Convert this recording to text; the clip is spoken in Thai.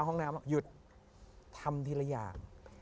หยุดทำทีละอย่าง